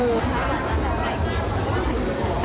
อืม